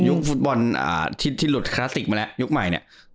ฟุตบอลที่หลุดคลาสสิกมาแล้วยุคใหม่เนี่ย